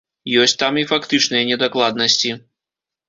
Ёсць там і фактычныя недакладнасці.